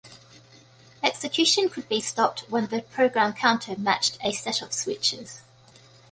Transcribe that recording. Execution could be stopped when the program counter matched a set of switches.